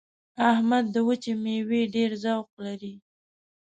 احمد د وچې مېوې ډېر ذوق لري.